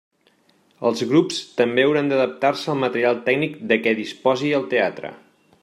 Els grups també hauran d'adaptar-se al material tècnic de què disposi el teatre.